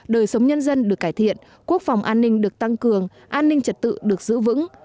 đời sống nhân dân được cải thiện quốc phòng an ninh được tăng cường an ninh trật tự được giữ vững